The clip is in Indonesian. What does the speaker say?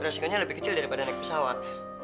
resikonya lebih kecil daripada naik pesawat